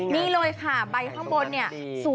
นี่เลยค่ะใบข้างบนเนี่ย๐๒๗๗๔๘